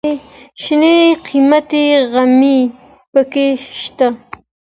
شین قیمتي غمی پکې شته.